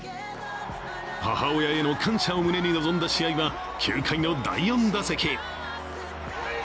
母親への感謝を胸に臨んだ試合は９回の第４打席。